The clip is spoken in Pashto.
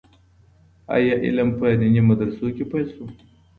آيا علم په ديني مدرسو کي پيل سو؟